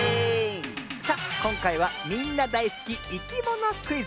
さあこんかいはみんなだいすきいきものクイズ。